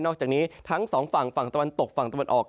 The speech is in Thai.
อกจากนี้ทั้งสองฝั่งฝั่งตะวันตกฝั่งตะวันออก